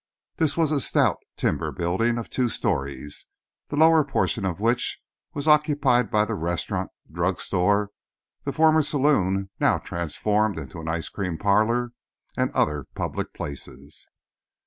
This was a stout, timber building of two stories, the lower portion of which was occupied by the restaurant, the drug store, the former saloon now transformed into an ice cream parlor, and other public places.